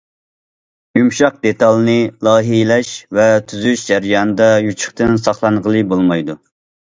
يۇمشاق دېتالنى لايىھەلەش ۋە تۈزۈش جەريانىدا يوچۇقتىن ساقلانغىلى بولمايدۇ.